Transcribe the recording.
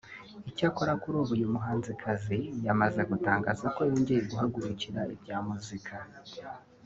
icyakora kuri ubu uyu muhanzikazi yamaze gutangaza ko yongeye guhagurukira ibya muzika